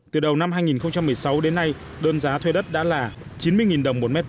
từ đầu năm hai nghìn một mươi sáu đến nay đơn giá thuê đất đã là chín mươi đồng một m hai